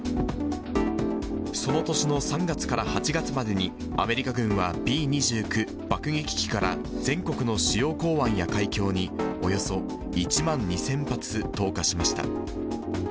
その年の３月から８月までに、アメリカ軍はＢー２９爆撃機から全国の主要港湾や海峡に、およそ１万２０００発投下しました。